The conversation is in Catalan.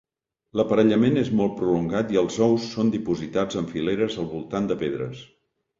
L'aparellament és molt prolongat i els ous són dipositats en fileres al voltant de pedres.